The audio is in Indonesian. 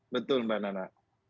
betul mbak nana